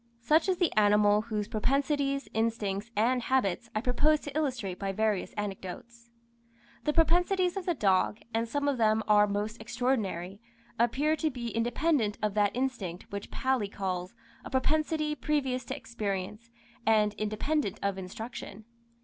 Such is the animal whose propensities, instincts, and habits, I propose to illustrate by various anecdotes. The propensities of the dog, and some of them are most extraordinary, appear to be independent of that instinct which Paley calls, "a propensity previous to experience, and independent of instruction."